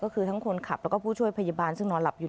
ก็คือทั้งคนขับแล้วก็ผู้ช่วยพยาบาลซึ่งนอนหลับอยู่